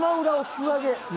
素揚げ？